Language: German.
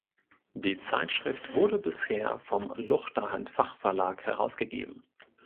Die Zeitschrift wurde bisher vom Luchterhand Fachverlag herausgegeben.